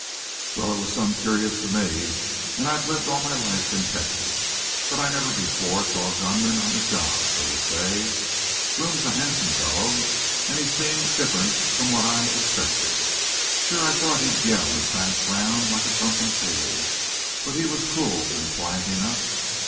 "Wal, it was some curious to me, and I've lived all my life in Texas. But I never before saw a gunman on the job, so to say. Blome's a handsome fellow, an' he seemed different from what I expected. Sure, I thought he'd yell an' prance round like a drunken fool. But he was cool an' quiet enough.